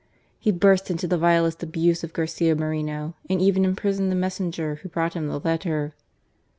He burst into the vilest abuse of Garcia Moreno, and even imprisoned the messenger who brought him the letter.